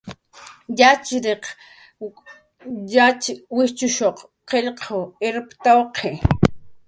"Yatxchiriq yatxay wijchushuq qillq irptawq""i"